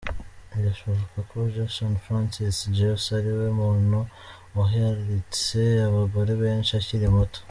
Birashoboka ko Jason Francis Jeffs ariwe muntu uharitse abagore benshi akiri muto.